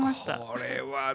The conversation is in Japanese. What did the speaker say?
これはね